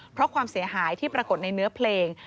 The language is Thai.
เพราะความเสียหายที่ปรากฏในเนื้อเพลง